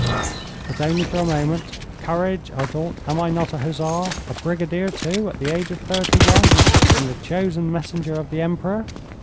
But only for a moment. 'Courage!' I thought. 'Am I not a hussar, a brigadier, too, at the age of thirty one, and the chosen messenger of the Emperor?'